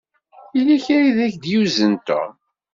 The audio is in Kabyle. Yella kra i ak-d-yuzen Tom.